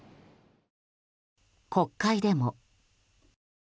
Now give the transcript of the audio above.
国会でも。